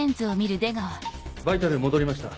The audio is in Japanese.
バイタル戻りました。